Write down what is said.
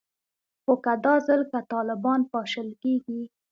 خو که دا ځل که طالبان پاشل کیږي